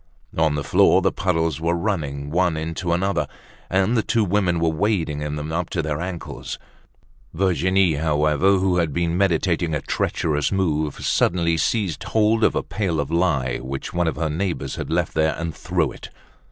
On the floor the puddles were running one into another, and the two women were wading in them up to their ankles. Virginie, however, who had been meditating a treacherous move, suddenly seized hold of a pail of lye, which one of her neighbors had left there and threw it.